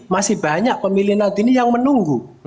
masih banyak pemilih nadiyin yang menunggu